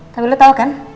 tapi lo tau kan